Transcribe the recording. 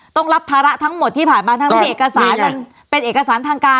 ต้องรับภาระทั้งหมดที่ผ่านมาทั้งเอกสารมันเป็นเอกสารทางการ